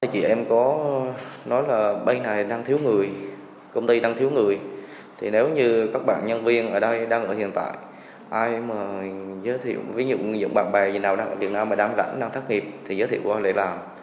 chị em có nói là bên này đang thiếu người công ty đang thiếu người thì nếu như các bạn nhân viên ở đây đang ở hiện tại ai mà giới thiệu ví dụ như những bạn bè nào đang ở việt nam mà đang lãnh đang thất nghiệp thì giới thiệu qua lại làm